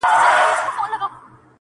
بوډا سترګي کړلي پټي په ژړا سو،